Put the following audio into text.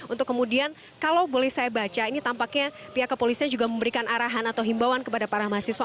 untuk kemudian kalau boleh saya baca ini tampaknya pihak kepolisian juga memberikan arahan atau himbawan kepada para mahasiswa